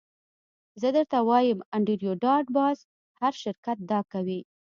زه درته وایم انډریو ډاټ باس هر شرکت دا کوي